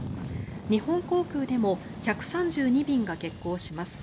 日本航空でも１３２便が欠航します。